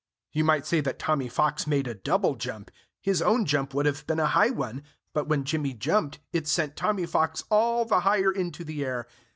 You might say that Tommy Fox made a double jump. His own jump would have been a high one. But when Jimmy jumped, it sent Tommy Fox all the higher into the air.